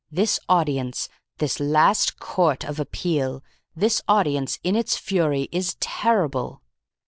This audience. This last court of appeal. This audience in its fury is terrible.